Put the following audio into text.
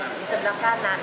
di sebelah kanan